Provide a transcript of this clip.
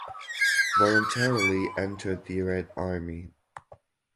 Voluntarily entered the Red Army.